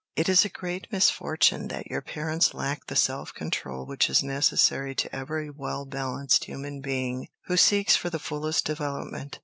It is a great misfortune that your parents lacked the self control which is necessary to every well balanced human being who seeks for the fullest development.